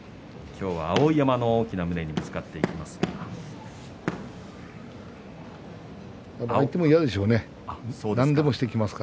今日は碧山の大きな胸にぶつかっていきます。